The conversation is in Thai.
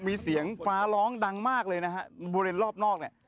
มีเสียงฟ้าร้องดังมากเลยนะฮะบริเวณรอบนอกเนี่ย